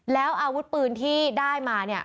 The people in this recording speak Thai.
แล้วอาวุธปืนที่ได้มาเนี่ย